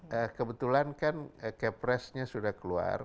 ya kebetulan kan caprest nya sudah keluar